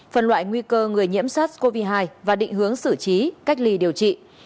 phân loại nguy cơ người nhiễm sars cov hai và định hướng xử trí cách ly điều trị